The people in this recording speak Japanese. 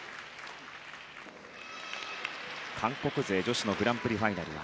韓国勢女子のグランプリファイナルは